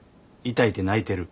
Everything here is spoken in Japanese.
痛いて泣いてる。